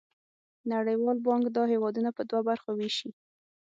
نړیوال بانک دا هېوادونه په دوه برخو ویشي.